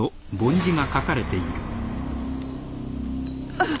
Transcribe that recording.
あっ。